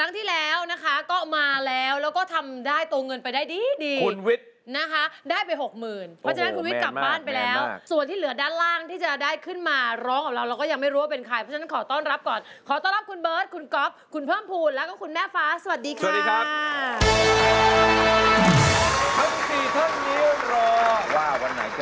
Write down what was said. ที่จะได้ขึ้นมาร้องกับเราเราก็ยังไม่รู้ว่าเป็นใครเพราะฉะนั้นขอต้อนรับก่อนขอต้อนรับคุณเบิร์ตคุณก๊อฟคุณเพิ่มภูตแล้วก็คุณแม่ฟ้าสวัสดีค่ะสวัสดีครับ